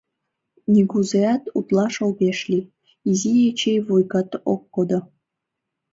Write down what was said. Нигузеат утлаш огеш лий: Изи Эчей вуйгат ок кодо.